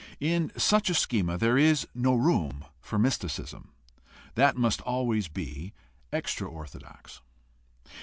In such a schema there is no room for mysticism. That must always be extra orthodox.